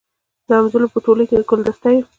د همزولو په ټولۍ کي ګلدسته یم